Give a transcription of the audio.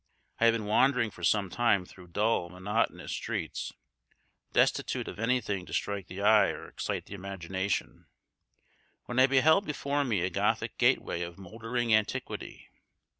I had been wandering for some time through dull monotonous streets, destitute of anything to strike the eye or excite the imagination, when I beheld before me a Gothic gateway of mouldering antiquity.